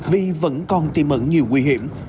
vì vẫn còn tìm ẩn nhiều nguy hiểm